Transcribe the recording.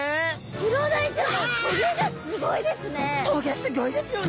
クロダイちゃん棘すギョいですよね！